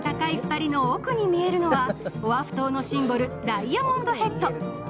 ２人の奥に見えるのは、オアフ島のシンボルダイヤモンドヘッド。